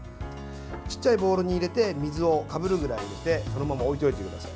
ちっちゃいボウルに入れて水をかぶるぐらい入れてそのまま置いておいてください。